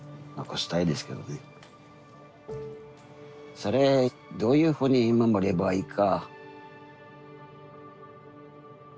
それどういうふうに守ればいいか。